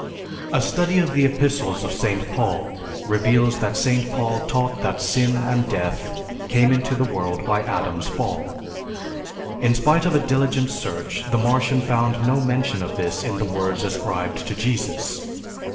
A study of the Epistles of St. Paul reveals that St. Paul taught that sin and death came into the world by Adam's fall. In spite of a diligent search the Martian found no mention of this in the words ascribed to Jesus.